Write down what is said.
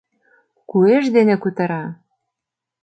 Куэж дене кутыра.